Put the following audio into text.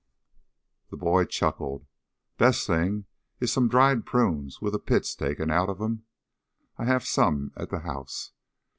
The boy chuckled. "Best thing is some dried prunes with the pits taken out of 'em. I have some at the house.